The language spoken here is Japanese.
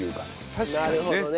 確かにね。